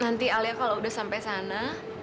nanti alia kalau udah sampai sana